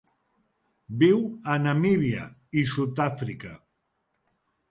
Viu a Namíbia i Sud-àfrica.